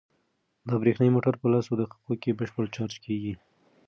دا برېښنايي موټر په لسو دقیقو کې بشپړ چارج کیږي.